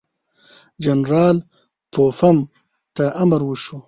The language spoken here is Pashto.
جنرال پوفم ته امر وشو.